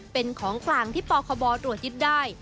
เป็นของกลางที่ปคบตรวจยึดได้